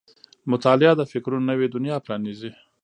• مطالعه د فکرونو نوې دنیا پرانیزي.